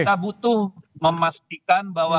kita butuh memastikan bahwa